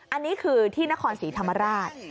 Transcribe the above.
อันนี้คือที่นครศรีธรรมราช